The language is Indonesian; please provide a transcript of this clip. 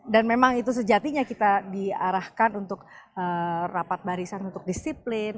dan memang itu sejatinya kita diarahkan untuk rapat barisan untuk disiplin